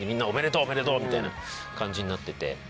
「おめでとう！」みたいな感じになってて。